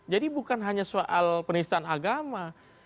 jadi bukan hanya soal penistaan agama